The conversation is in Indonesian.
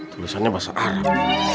tulisannya bahasa arab